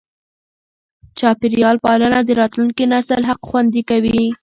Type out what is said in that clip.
چاپېریال پالنه د راتلونکي نسل حق خوندي کوي.